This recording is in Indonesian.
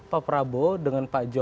pak prabowo dengan pak jokowi